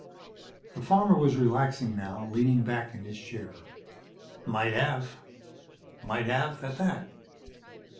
The farmer was relaxing now, leaning back in his chair. "Might have. Might have, at that."